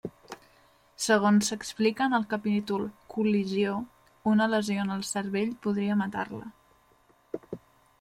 Segons s'explica en el capítol Col·lisió, una lesió en el cervell podria matar-la.